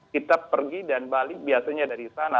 kita pergi dan balik biasanya dari sana